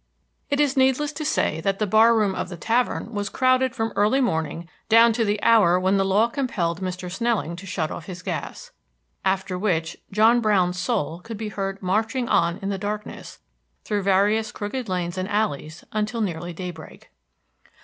It is needless to say that the bar room of the tavern was crowded from early morning down to the hour when the law compelled Mr. Snelling to shut off his gas. After which, John Brown's "soul" could be heard "marching on" in the darkness, through various crooked lanes and alleys, until nearly daybreak.